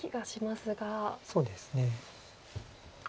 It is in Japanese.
そうですね。